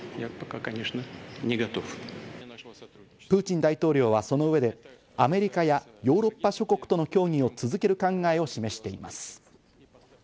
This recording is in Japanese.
プーチン大統領はその上で、アメリカやヨーロッパ諸国との協議を続ける考えを示しています。